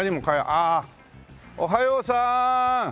ああおはようさん。